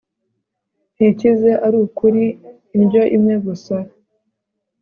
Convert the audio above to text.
ntikize ari ukuri Indyo imwe gusa